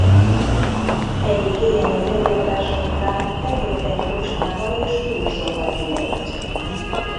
Egyik éjjel egy előadása után betért egy kocsmába és túl sokat ivott.